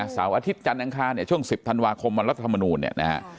เสาร์อาทิตย์จันทร์อังคารช่วง๑๐ธันวาคมวันรัฐธรรมนูญ